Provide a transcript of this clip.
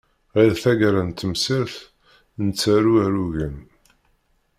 Ɣer taggara n temsirt nettaru alugen.